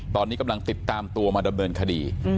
ตอนนี้กำลังติดตามตัวมาดำเนินคดี